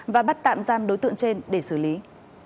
và bắt tạm giam đối tượng trên để xử lý